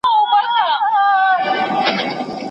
ستا پر پته مي لېږلي یو څو اوښکي نذرانه دي